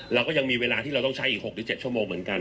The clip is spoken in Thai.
เราก็ยังมีเวลาที่เราต้องใช้อีก๖๗ชั่วโมงเหมือนกัน